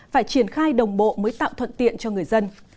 phải triển khai đồng bộ mới tạo thuận tiện cho người dân